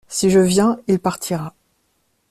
Si je viens, il partira.